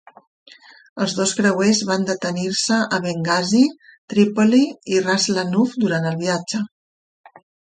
Els dos creuers van detenir-se a Bengasi, Trípoli i Ra's Lanuf durant el viatge.